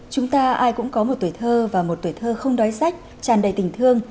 chúng ta ai cũng có một tuổi thơ và một tuổi thơ không đói sách tràn đầy tình thương